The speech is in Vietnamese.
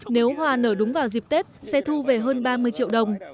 nếu hoa nở đúng vào dịp tết sẽ thu về hơn ba mươi triệu đồng